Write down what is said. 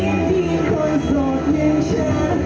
หยุดมีท่าหยุดมีท่า